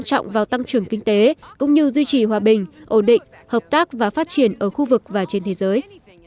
trọng vào tăng trưởng kinh tế cũng như duy trì hòa bình ổn định hợp tác và phát triển ở khu vực và trên thế giới